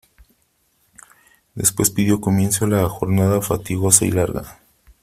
después dió comienzo la jornada fatigosa y larga .